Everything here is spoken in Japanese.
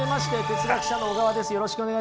哲学者の小川です